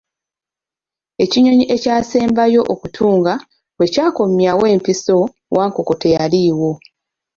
Ekinnyonyi ekyasembayo okutuunga bwe kyakomyawo empiso, Wankoko teyaliiwo.